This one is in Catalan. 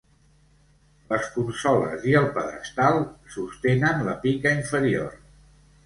Les consoles i el pedestal sostenen la pica inferior.